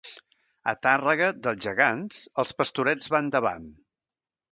A Tàrrega, dels gegants, els pastorets van davant.